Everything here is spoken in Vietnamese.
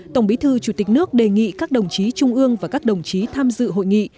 tổng bí thư chủ tịch nước đề nghị các đồng chí trung ương và các đồng chí tham dự hội nghị